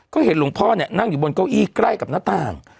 ก็เห็นหลวงพ่อเนี่ยนั่งอยู่บนเก้าอี้ใกล้กับหน้าต่าง